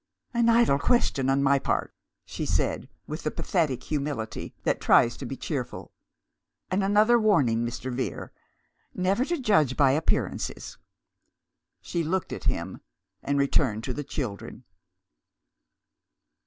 "An idle question on my part," she said, with the pathetic humility that tries to be cheerful. "And another warning, Mr. Vere, never to judge by appearances." She looked at him, and returned to the children.